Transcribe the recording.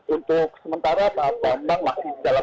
untuk sementara pak bambang